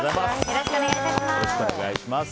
よろしくお願いします。